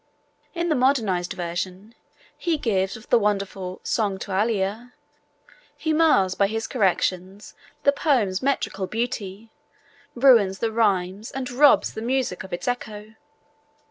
In the modernised version he gives of the wonderful Songe to AElla, he mars by his corrections the poem's metrical beauty, ruins the rhymes and robs the music of its echo.